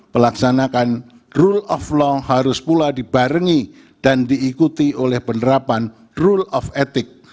pelaksanakan rule of law harus pula dibarengi dan diikuti oleh penerapan rule of etik